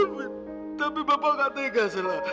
yang selalu ngejaga sheila